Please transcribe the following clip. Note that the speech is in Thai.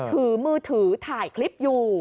ถือมือถือถ่ายคลิปอยู่